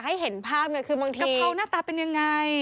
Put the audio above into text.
กะเพราหน้าตาเป็นยังไง